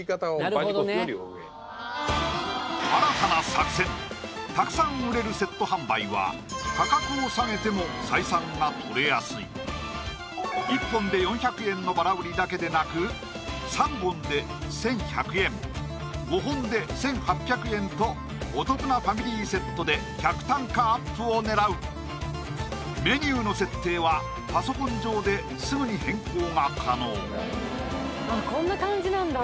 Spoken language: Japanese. バジコスよりは上新たな作戦たくさん売れるセット販売は価格を下げても採算が取れやすい１本で４００円のばら売りだけでなく３本で１１００円５本で１８００円とお得なファミリーセットで客単価アップを狙うメニューの設定はパソコン上ですぐに変更が可能うわこんな感じなんだ！